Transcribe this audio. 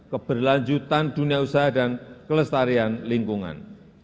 keberlanjutan dunia usaha dan kelestarian lingkungan